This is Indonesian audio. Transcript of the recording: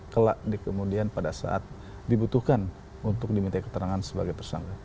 kelak kemudian pada saat dibutuhkan untuk diminta keterangan sebagai tersangka